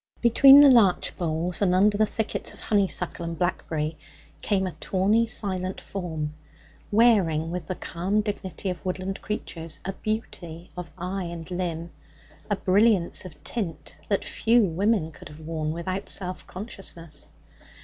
Between the larch boles and under the thickets of honeysuckle and blackberry came a tawny silent form, wearing with the calm dignity of woodland creatures a beauty of eye and limb, a brilliance of tint, that few women could have worn without self consciousness.